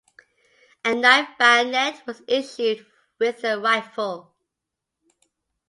A knife bayonet was issued with the rifle.